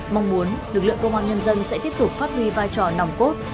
mong muốn lực lượng công an nhân dân sẽ tiếp tục phát huy vai trò nòng cốt